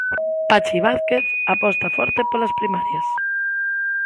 Pachi Vázquez aposta forte polas primarias.